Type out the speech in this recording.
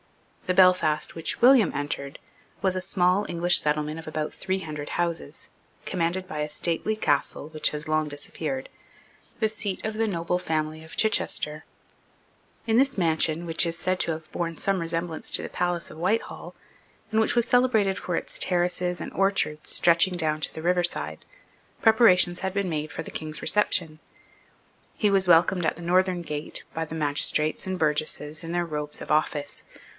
The Belfast which William entered was a small English settlement of about three hundred houses, commanded by a stately castle which has long disappeared, the seat of the noble family of Chichester. In this mansion, which is said to have borne some resemblance to the palace of Whitehall, and which was celebrated for its terraces and orchards stretching down to the river side, preparations had been made for the King's reception. He was welcomed at the Northern Gate by the magistrates and burgesses in their robes of office.